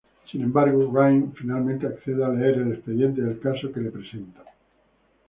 Sin embargo, Rhyme finalmente accede a leer el expediente del caso que le presentan.